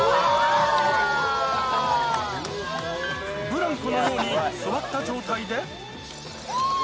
ブランコのように座った状態で。